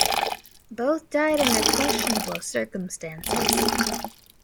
Both died under questionable circumstances.